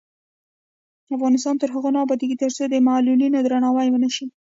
افغانستان تر هغو نه ابادیږي، ترڅو د معلولینو درناوی ونشي.